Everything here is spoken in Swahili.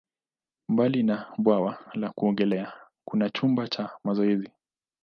Mbali na bwawa la kuogelea, kuna chumba cha mazoezi.